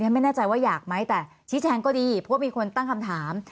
ไม่แน่ใจว่าอยากไหมแต่ชี้แจงก็ดีเพราะว่ามีคนตั้งคำถาม